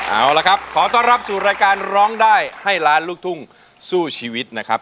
เอาละครับขอต้อนรับสู่รายการร้องได้ให้ล้านลูกทุ่งสู้ชีวิตนะครับ